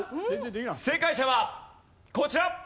正解者はこちら！